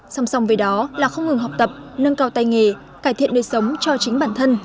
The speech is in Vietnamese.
song song với đó là không ngừng học tập nâng cao tay nghề cải thiện đời sống cho chính bản thân